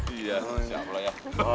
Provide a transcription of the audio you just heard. iya siapulah ya